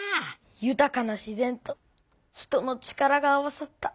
ゆたかな自然と人の力が合わさった